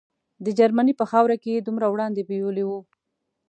د جرمني په خاوره کې یې دومره وړاندې بیولي وو.